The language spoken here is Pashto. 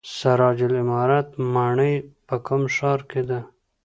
سراج العمارت ماڼۍ په کوم ښار کې ده؟